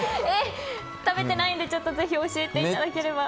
食べてないのでぜひ教えていただければ。